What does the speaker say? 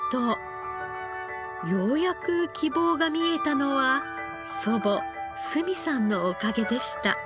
ようやく希望が見えたのは祖母すみさんのおかげでした。